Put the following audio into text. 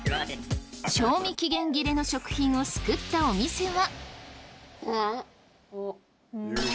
賞味期限切れの食品を救ったお店は。